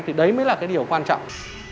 thì đấy mới là cái điều quan trọng